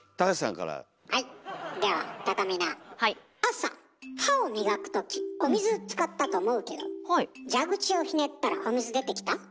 朝歯を磨く時お水使ったと思うけど蛇口をひねったらお水出てきた？